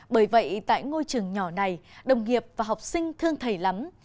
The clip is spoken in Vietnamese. bởi vậy tại ngôi trường nhỏ này đồng nghiệp và học sinh thương thầy lắm